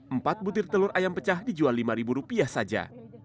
empat butir telur ayam pecah dijual lima ribu rupiah saja